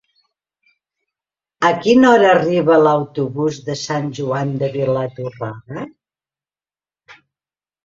A quina hora arriba l'autobús de Sant Joan de Vilatorrada?